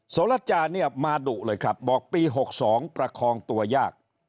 สรจาเนี่ยมาดุเลยครับบอกปี๖๒ประคองตัวยาก